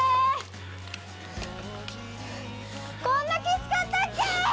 こんなきつかったっけ